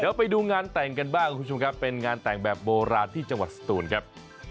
เดี๋ยวไปดูงานแต่งกันบ้างคุณผู้ชมครับเป็นงานแต่งแบบโบราณที่จังหวัดสตูนครับ